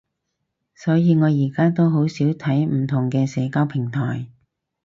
所以我而家都好少睇唔同嘅社交平台